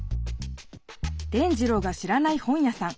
伝じろうが知らない本屋さん。